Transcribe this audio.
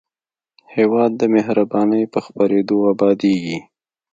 هېواد د مهربانۍ په خپرېدو ابادېږي.